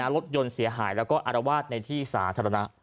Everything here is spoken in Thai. รถยนต์เสียหายแล้วก็อารวาสในที่สาธารณะ